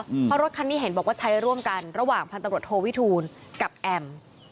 เพราะรถคันนี้เห็นบอกว่าใช้ร่วมกันระหว่างพันตำรวจโทวิทูลกับแอม